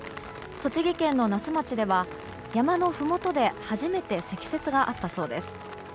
栃木県の那須町では山のふもとで初めて積雪があったそうです。